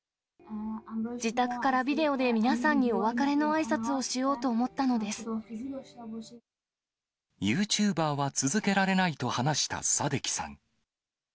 自宅からビデオで皆さんにお別れのあいさつをしようと思ったのでユーチューバーは続けられないと話したサデキさん。